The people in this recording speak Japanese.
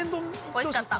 ◆おいしかった！